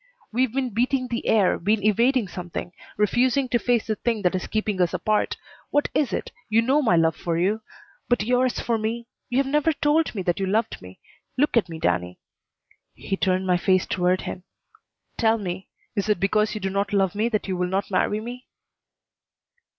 We've been beating the air, been evading something; refusing to face the thing that is keeping us apart. What is it? You know my love for you. But yours for me You have never told me that you loved me. Look at me, Danny." He turned my face toward him. "Tell me. Is it because you do not love me that you will not marry me?"